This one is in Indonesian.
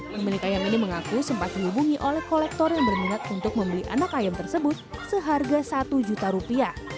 pemilik ayam ini mengaku sempat dihubungi oleh kolektor yang berminat untuk membeli anak ayam tersebut seharga satu juta rupiah